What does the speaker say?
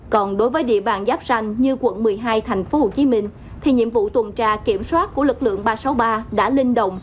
còn đối với địa bàn giáp ranh như quận một mươi hai tp hcm thì nhiệm vụ tuần tra kiểm soát của lực lượng ba trăm sáu mươi ba đã linh động